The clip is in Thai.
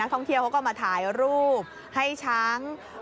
ท่องเที่ยวเขาก็มาถ่ายรูปให้ช้าง